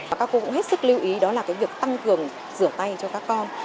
các cô cũng hết sức lưu ý đó là việc tăng cường rửa tay cho các con